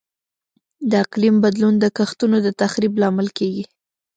د اقلیم بدلون د کښتونو د تخریب لامل کیږي.